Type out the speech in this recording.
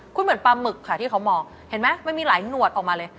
คุณเหมือนปลาหมึกค่ะที่เขามองเห็นไหมมันมีหลายหนวดออกมาเลย